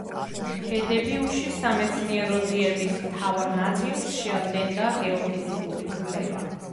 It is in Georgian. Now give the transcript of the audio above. ჰედებიუში სამეცნიერო ძიების მთავარ ნაწილს შეადგენდა გეოფიზიკური კვლევა.